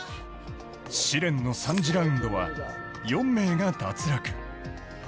試練の３次ラウンドは４名が脱落。